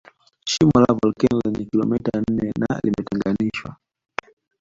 Shimo la volkeno lenye kilomita nne na limetenganishwa